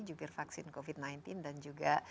jubir vaksin covid sembilan belas dan juga